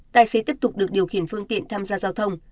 tài xế tiếp tục được điều khiển phương tiện tham gia giao thông